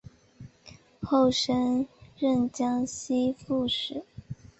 后升任江西副使。